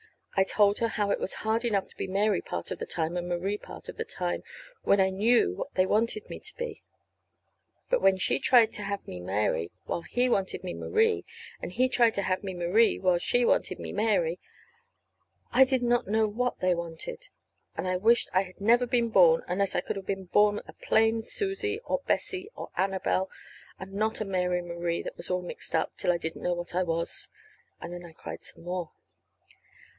I told her how it was hard enough to be Mary part of the time, and Marie part of the time, when I knew what they wanted me to be. But when she tried to have me Mary while he wanted me Marie, and he tried to have me Marie while she wanted me Mary I did not know what they wanted; and I wished I had never been born unless I could have been born a plain Susie or Bessie, or Annabelle, and not a Mary Marie that was all mixed up till I didn't know what I was. And then I cried some more.